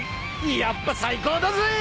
やっぱ最高だぜ！］